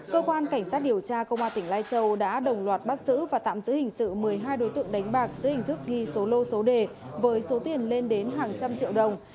cơ quan cảnh sát điều tra công an tỉnh lai châu đã đồng loạt bắt giữ và tạm giữ hình sự một mươi hai đối tượng đánh bạc giữa hình thức ghi số lô số đề với số tiền lên đến hàng trăm triệu đồng